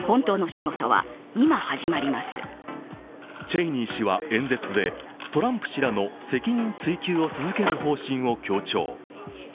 チェイニー氏は演説でトランプ氏らの責任追及を続ける方針を強調。